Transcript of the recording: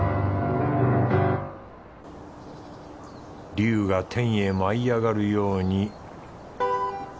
龍が天へ舞い上がるように